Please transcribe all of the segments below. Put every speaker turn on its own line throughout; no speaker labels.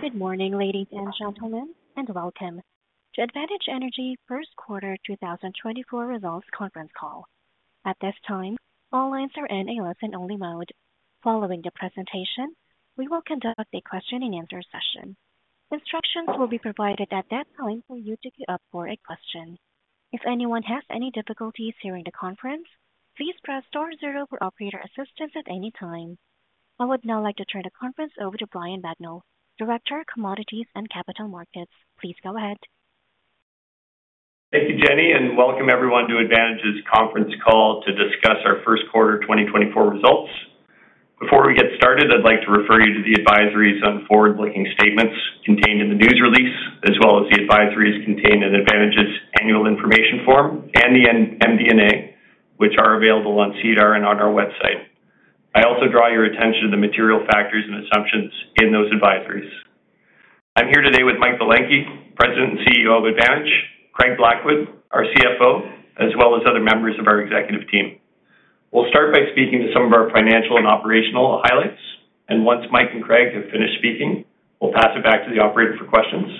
Good morning, ladies and gentlemen, and welcome to Advantage Energy First Quarter 2024 Results Conference Call. At this time, all lines are in a listen-only mode. Following the presentation, we will conduct a question-and-answer session. Instructions will be provided at that time for you to queue up for a question. If anyone has any difficulties hearing the conference, please press star zero for operator assistance at any time. I would now like to turn the conference over to Brian Bagnell, Director of Commodities and Capital Markets. Please go ahead.
Thank you, Jenny, and welcome everyone to Advantage's conference call to discuss our first quarter 2024 results. Before we get started, I'd like to refer you to the advisories on forward-looking statements contained in the news release, as well as the advisories contained in Advantage's annual information form and the MD&A, which are available on SEDAR+ and on our website. I also draw your attention to the material factors and assumptions in those advisories. I'm here today with Mike Belenkie, President and CEO of Advantage, Craig Blackwood, our CFO, as well as other members of our executive team. We'll start by speaking to some of our financial and operational highlights, and once Mike and Craig have finished speaking, we'll pass it back to the operator for questions.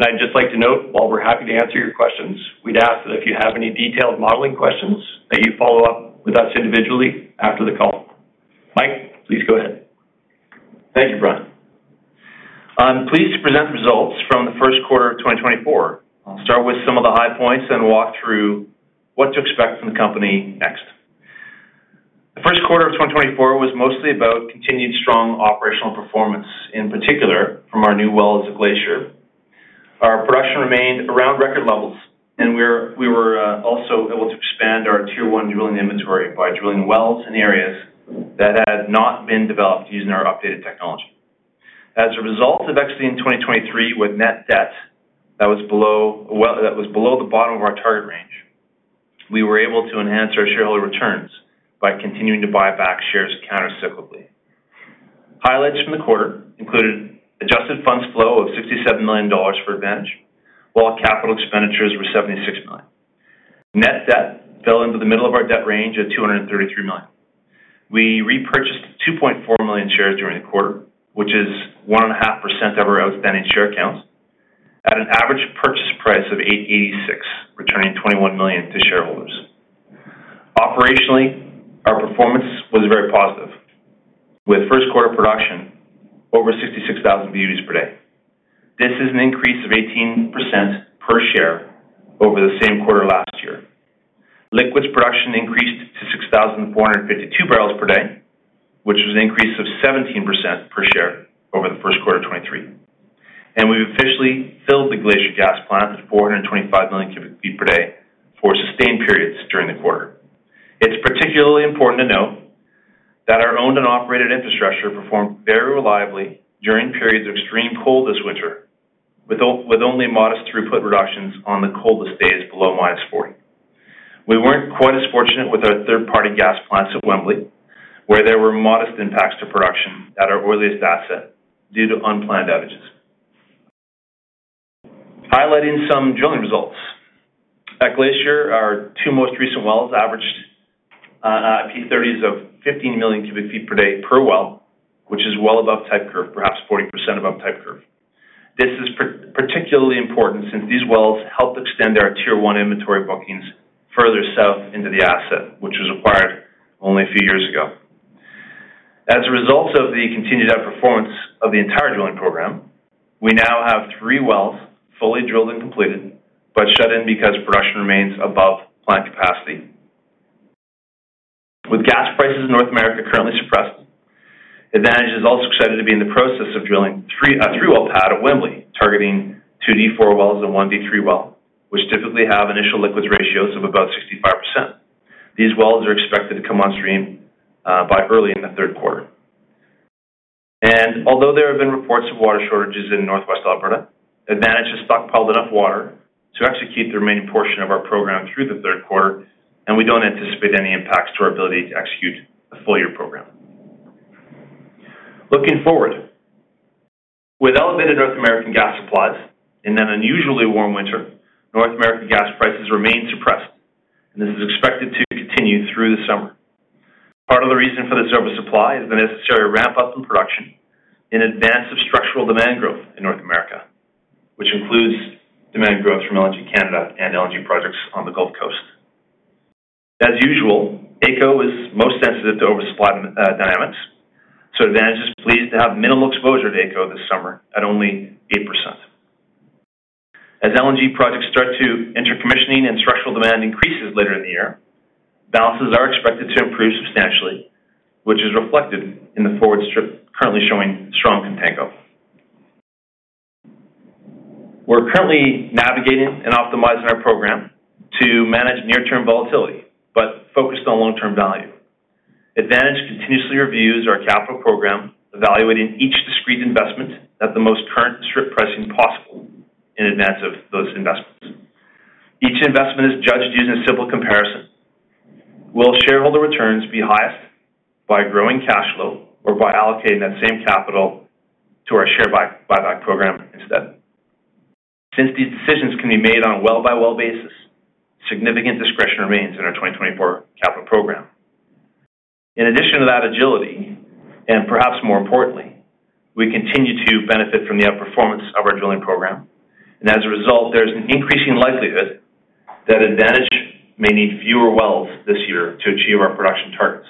I'd just like to note, while we're happy to answer your questions, we'd ask that if you have any detailed modeling questions, that you follow up with us individually after the call. Mike, please go ahead.
Thank you, Brian. Please present the results from the first quarter of 2024. I'll start with some of the high points and walk through what to expect from the company next. The first quarter of 2024 was mostly about continued strong operational performance, in particular from our new wells at Glacier. Our production remained around record levels, and we were also able to expand our Tier 1 drilling inventory by drilling wells in areas that had not been developed using our updated technology. As a result of exiting 2023 with net debt that was below the bottom of our target range, we were able to enhance our shareholder returns by continuing to buy back shares countercyclically. Highlights from the quarter included adjusted funds flow of 67 million dollars for Advantage, while capital expenditures were 76 million. net debt fell into the middle of our debt range at 233 million. We repurchased 2.4 million shares during the quarter, which is 1.5% of our outstanding share counts, at an average purchase price of 8.86, returning 21 million to shareholders. Operationally, our performance was very positive, with first quarter production over 66,000 BOE per day. This is an increase of 18% per share over the same quarter last year. Liquids production increased to 6,452 barrels per day, which was an increase of 17% per share over the first quarter of 2023. We've officially filled the Glacier Gas Plant at 425 million cubic feet per day for sustained periods during the quarter. It's particularly important to note that our owned and operated infrastructure performed very reliably during periods of extreme cold this winter, with only modest throughput reductions on the coldest days below -40. We weren't quite as fortunate with our third-party gas plants at Wembley, where there were modest impacts to production at our oiliest asset due to unplanned outages. Highlighting some drilling results. At Glacier, our two most recent wells averaged IP30s of 15 million cubic feet per day per well, which is well above type curve, perhaps 40% above type curve. This is particularly important since these wells helped extend our Tier 1 inventory bookings further south into the asset, which was acquired only a few years ago. As a result of the continued outperformance of the entire drilling program, we now have three wells fully drilled and completed but shut in because production remains above plant capacity. With gas prices in North America currently suppressed, Advantage is also excited to be in the process of drilling a 3-well pad at Wembley, targeting 2 D-4 wells and 1 D-3 well, which typically have initial liquids ratios of about 65%. These wells are expected to come on stream by early in the third quarter. And although there have been reports of water shortages in northwest Alberta, Advantage has stockpiled enough water to execute the remaining portion of our program through the third quarter, and we don't anticipate any impacts to our ability to execute a full-year program. Looking forward, with elevated North American gas supplies in an unusually warm winter, North American gas prices remain suppressed, and this is expected to continue through the summer. Part of the reason for this oversupply is the necessary ramp-up in production in advance of structural demand growth in North America, which includes demand growth from LNG Canada and LNG projects on the Gulf Coast. As usual, AECO is most sensitive to oversupply dynamics, so Advantage is pleased to have minimal exposure to AECO this summer at only 8%. As LNG projects start to enter commissioning and structural demand increases later in the year, balances are expected to improve substantially, which is reflected in the forward strip currently showing strong contango. We're currently navigating and optimizing our program to manage near-term volatility but focused on long-term value. Advantage continuously reviews our capital program, evaluating each discrete investment at the most current strip pricing possible in advance of those investments. Each investment is judged using a simple comparison. Will shareholder returns be highest by growing cash flow or by allocating that same capital to our share buyback program instead? Since these decisions can be made on a well-by-well basis, significant discretion remains in our 2024 capital program. In addition to that agility, and perhaps more importantly, we continue to benefit from the outperformance of our drilling program. And as a result, there's an increasing likelihood that Advantage may need fewer wells this year to achieve our production targets.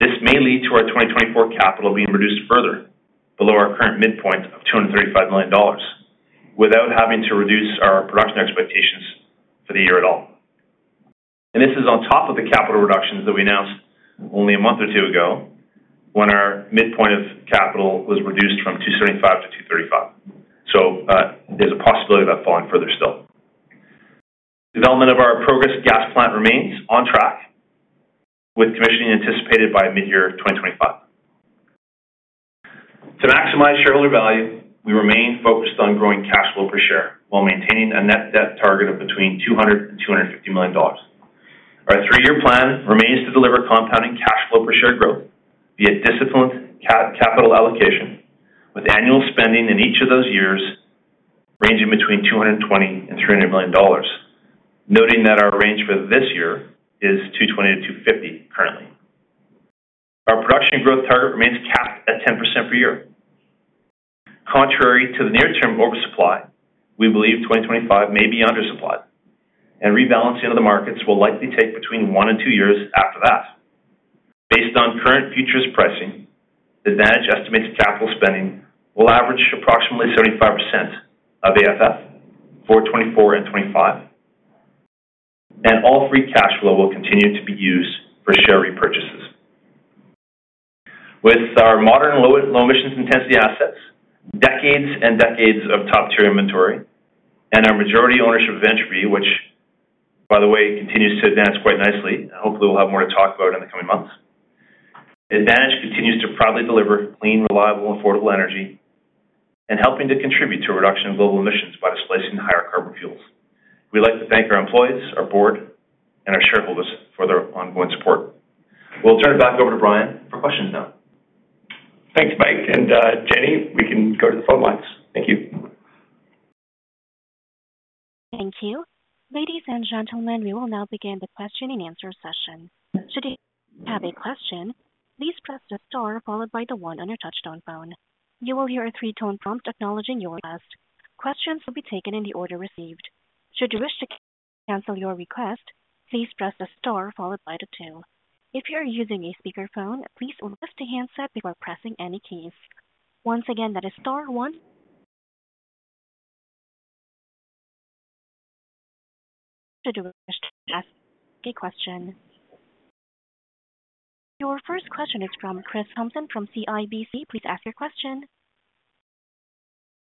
This may lead to our 2024 capital being reduced further, below our current midpoint of 235 million dollars, without having to reduce our production expectations for the year at all. And this is on top of the capital reductions that we announced only a month or two ago when our midpoint of capital was reduced from 275 million to 235 million. So there's a possibility of that falling further still. Development of our Progress Gas Plant remains on track, with commissioning anticipated by mid-year 2025. To maximize shareholder value, we remain focused on growing cash flow per share while maintaining a net debt target of between 200 million dollars and CAD 250 million. Our three-year plan remains to deliver compounding cash flow per share growth via disciplined capital allocation, with annual spending in each of those years ranging between 220 million and 300 million dollars, noting that our range for this year is 220 million to 250 million currently. Our production growth target remains capped at 10% per year. Contrary to the near-term oversupply, we believe 2025 may be undersupplied, and rebalancing into the markets will likely take between one and two years after that. Based on current futures pricing, Advantage estimates capital spending will average approximately 75% of AFF for 2024 and 2025, and all free cash flow will continue to be used for share repurchases. With our modern low-emissions intensity assets, decades and decades of top-tier inventory, and our majority ownership of Entropy, which, by the way, continues to advance quite nicely and hopefully we'll have more to talk about in the coming months, Advantage continues to proudly deliver clean, reliable, and affordable energy, and helping to contribute to a reduction in global emissions by displacing higher carbon fuels. We'd like to thank our employees, our board, and our shareholders for their ongoing support. We'll turn it back over to Brian for questions now.
Thanks, Mike. Jenny, we can go to the phone lines. Thank you.
Thank you. Ladies and gentlemen, we will now begin the question-and-answer session. Should you have a question, please press the star followed by the one on your touch-tone phone. You will hear a 3-tone prompt acknowledging your request. Questions will be taken in the order received. Should you wish to cancel your request, please press the star followed by the two. If you are using a speakerphone, please lift a handset before pressing any keys. Once again, that is star one. Should you wish to ask a question? Your first question is from Chris Thompson from CIBC. Please ask your question.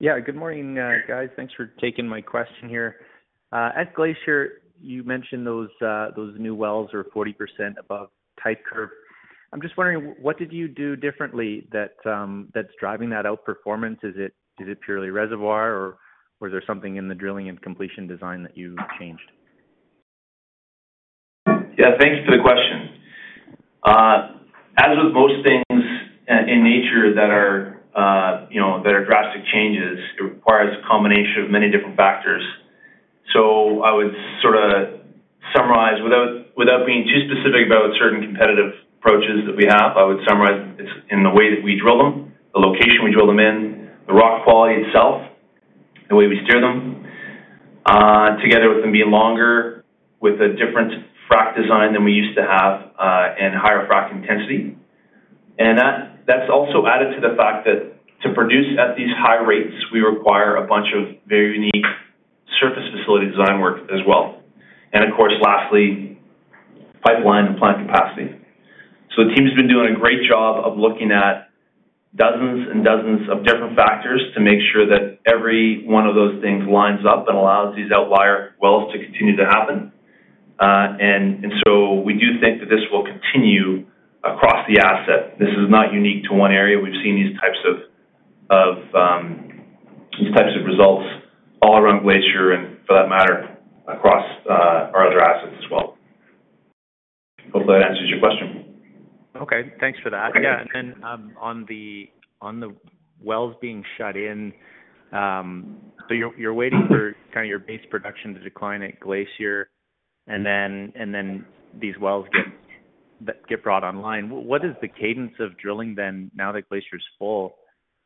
Yeah, good morning, guys. Thanks for taking my question here. At Glacier, you mentioned those new wells are 40% above type curve. I'm just wondering, what did you do differently that's driving that outperformance? Is it purely reservoir, or is there something in the drilling and completion design that you changed?
Yeah, thanks for the question. As with most things in nature that are drastic changes, it requires a combination of many different factors. So I would sort of summarize, without being too specific about certain competitive approaches that we have, I would summarize it's in the way that we drill them, the location we drill them in, the rock quality itself, the way we steer them, together with them being longer, with a different frac design than we used to have, and higher frac intensity. And that's also added to the fact that to produce at these high rates, we require a bunch of very unique surface facility design work as well. And of course, lastly, pipeline and plant capacity. So the team's been doing a great job of looking at dozens and dozens of different factors to make sure that every one of those things lines up and allows these outlier wells to continue to happen. And so we do think that this will continue across the asset. This is not unique to one area. We've seen these types of results all around Glacier and, for that matter, across our other assets as well. Hopefully, that answers your question.
Okay. Thanks for that. Yeah. And then on the wells being shut in, so you're waiting for kind of your base production to decline at Glacier, and then these wells get brought online. What is the cadence of drilling then, now that Glacier's full,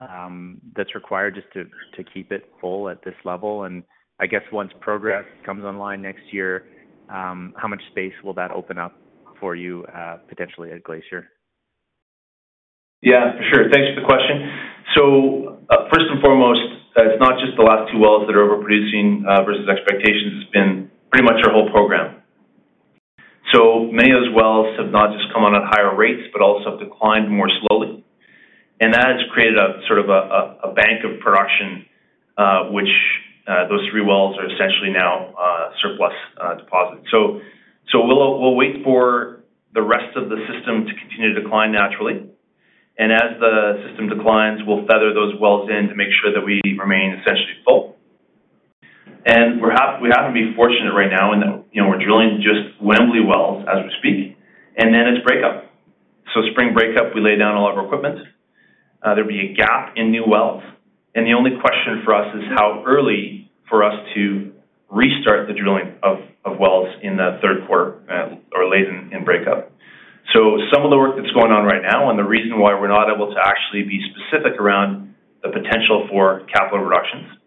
that's required just to keep it full at this level? And I guess once Progress comes online next year, how much space will that open up for you potentially at Glacier?
Yeah, for sure. Thanks for the question. So first and foremost, it's not just the last two wells that are overproducing versus expectations. It's been pretty much our whole program. So many of those wells have not just come on at higher rates but also have declined more slowly. And that has created sort of a bank of production, which those three wells are essentially now surplus deposits. So we'll wait for the rest of the system to continue to decline naturally. And as the system declines, we'll feather those wells in to make sure that we remain essentially full. And we happen to be fortunate right now in that we're drilling just Wembley wells as we speak. And then it's breakup. So spring breakup, we lay down all of our equipment. There'll be a gap in new wells. The only question for us is how early for us to restart the drilling of wells in the third quarter or late in breakup. So some of the work that's going on right now and the reason why we're not able to actually be specific around the potential for capital reductions is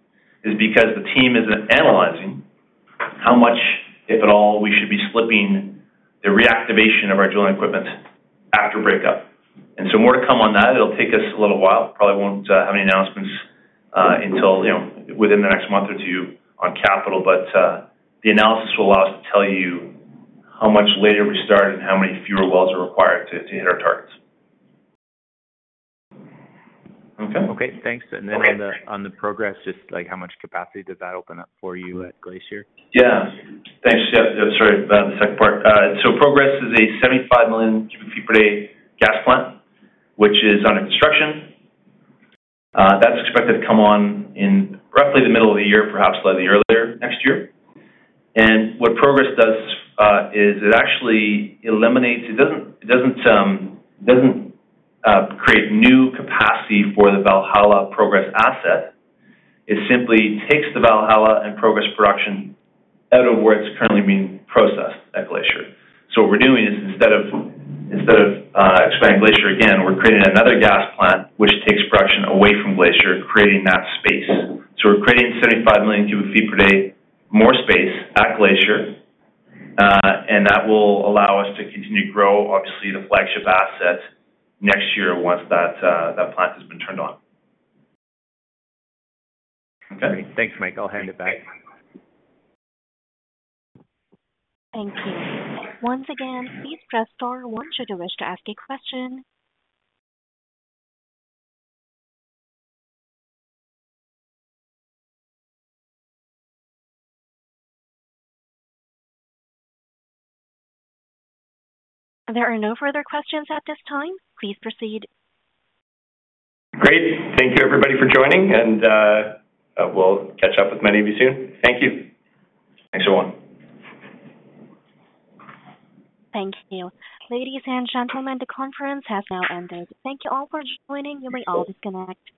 because the team isn't analyzing how much, if at all, we should be slipping the reactivation of our drilling equipment after breakup. And so more to come on that. It'll take us a little while. Probably won't have any announcements within the next month or two on capital. But the analysis will allow us to tell you how much later we start and how many fewer wells are required to hit our targets. Okay?
Okay. Thanks. And then on the Progress, just how much capacity does that open up for you at Glacier?
Yeah. Thanks. Yep. Yep. Sorry about the second part. So Progress is a 75 million cubic feet per day gas plant, which is under construction. That's expected to come on in roughly the middle of the year, perhaps slightly earlier next year. And what Progress does is it actually eliminates. It doesn't create new capacity for the Valhalla Progress asset. It simply takes the Valhalla and Progress production out of where it's currently being processed at Glacier. So what we're doing is, instead of expanding Glacier again, we're creating another gas plant, which takes production away from Glacier, creating that space. So we're creating 75 million cubic feet per day more space at Glacier. And that will allow us to continue to grow, obviously, the flagship asset next year once that plant has been turned on. Okay?
Great. Thanks, Mike. I'll hand it back.
Thank you. Once again, please press star one should you wish to ask a question. There are no further questions at this time. Please proceed.
Great. Thank you, everybody, for joining. We'll catch up with many of you soon. Thank you.
Thanks, everyone.
Thank you. Ladies and gentlemen, the conference has now ended. Thank you all for joining. You may all disconnect.